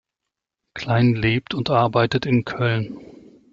Klein lebt und arbeitet in Köln.